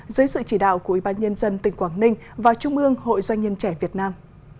dưới sự chỉ đạo của ủy ban nhân dân tỉnh quảng ninh và trung ương hội doanh nhân trẻ việt nam